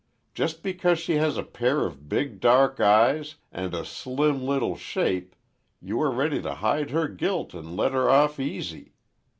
Just because she has a pair of big, dark eyes and a slim little shape you are ready to hide her guilt and let her off easy.